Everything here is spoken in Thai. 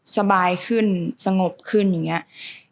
สบายขึ้นสงบขึ้นอย่างนี้